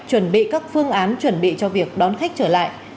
chuẩn bị các phương án chuẩn bị cho việc đón khách trở lại